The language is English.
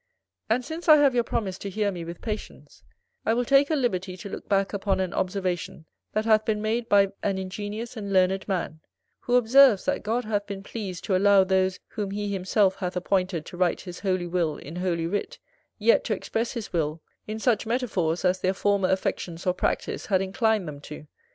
And since I have your promise to hear me with patience, I will take a liberty to look back upon an observation that hath been made by an ingenious and learned man; who observes, that God hath been pleased to allow those whom he himself hath appointed to write his holy will in holy writ, yet to express his will in such metaphors as their former affections or practice had inclined them to.